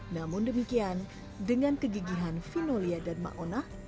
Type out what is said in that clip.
namun demikian dengan kegigihan fino lia dan mak ona